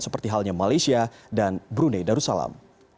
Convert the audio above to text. seperti halnya malaysia dan brunei darussalam